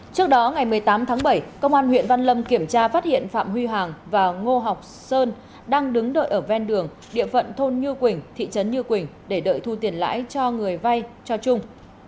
trước đó ngày một mươi tám tháng bảy công an huyện văn lâm kiểm tra phát hiện phạm huy hoàng và ngô học sơn đang đứng đợi ở ven đường địa phận thôn như quỳnh thị trấn như quỳnh để đợi thu tiền lãi cho người vay cho trung